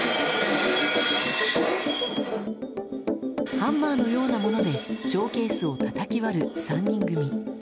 ハンマーのようなものでショーケースをたたき割る３人組。